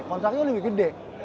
kontraknya lebih gede